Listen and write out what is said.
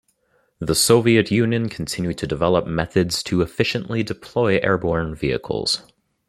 The Soviet Union continued to develop methods to efficiently deploy airborne vehicles.